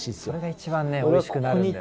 それが一番おいしくなる。